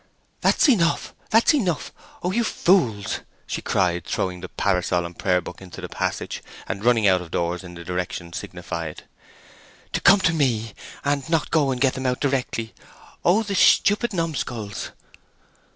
"That's enough—that's enough!—oh, you fools!" she cried, throwing the parasol and Prayer book into the passage, and running out of doors in the direction signified. "To come to me, and not go and get them out directly! Oh, the stupid numskulls!"